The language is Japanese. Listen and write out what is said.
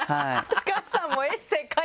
橋さんも。